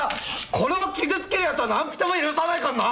これを傷つけるやつは何人も許さないかんな！